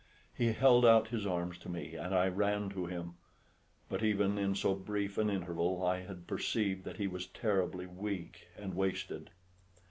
He held out his arms to me, and I ran to him; but even in so brief an interval I had perceived that he was terribly weak and wasted.